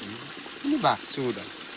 ini bak sudah